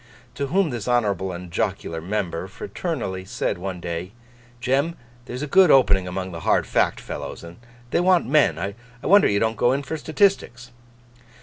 To whom this honourable and jocular, member fraternally said one day, 'Jem, there's a good opening among the hard Fact fellows, and they want men. I wonder you don't go in for statistics.